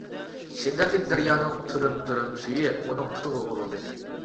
شىددەتلىك دەريانىڭ تۈرۈم-تۈرۈم سۈيى ئۇنىڭ پۇتىغا ئۇرۇلدى.